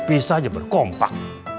bisa aja berkompak